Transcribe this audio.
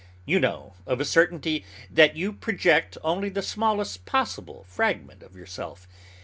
You know, of a certainty, that you project only the smallest possible fragment of yourself.